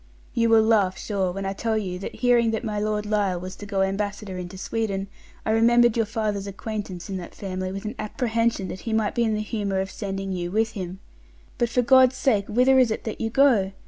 You will laugh, sure, when I shall tell you that hearing that my Lord Lisle was to go ambassador into Sweden, I remember'd your father's acquaintance in that family with an apprehension that he might be in the humour of sending you with him. But for God's sake whither is it that you go?